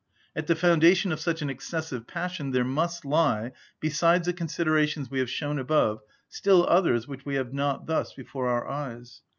At the foundation of such an excessive passion there must lie, besides the considerations we have shown above, still others which we have not thus before our eyes.